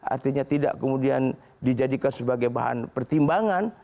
artinya tidak kemudian dijadikan sebagai bahan pertimbangan